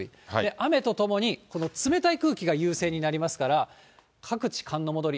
雨とともにこの冷たい空気が優勢になりますから、各地、寒の戻り。